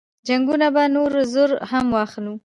جنګونه به نور زور هم واخلي.